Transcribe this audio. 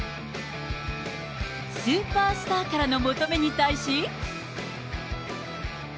スーパースターからの求めに対し。